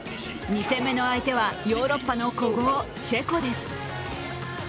２戦目の相手はヨーロッパの古豪・チェコです。